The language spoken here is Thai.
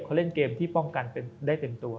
เขาเล่นเกมที่ป้องกันได้เต็มตัว